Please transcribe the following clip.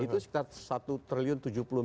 itu sekitar satu triliun